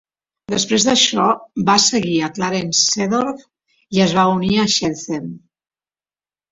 Després d'això, va seguir a Clarence Seedorf i es va unir a Shenzhen.